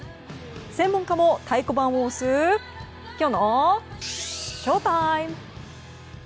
専門家も太鼓判を押すきょうのＳＨＯＴＩＭＥ。